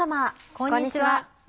こんにちは。